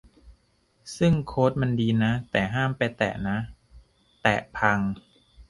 ซึ่งโค้ดมันดีนะ แต่ห้ามไปแตะนะ แตะพัง